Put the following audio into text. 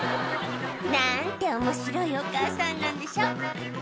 何て面白いお母さんなんでしょう